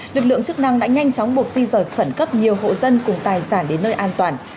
lực lượng chức năng đã nhanh chóng buộc di rời khẩn cấp nhiều hộ dân cùng tài sản đến nơi an toàn